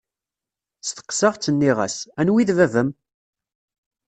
Steqsaɣ-tt, nniɣ-as: Anwa i d baba-m?